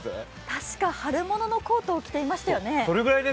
確か、春物のコートを着てましたよね。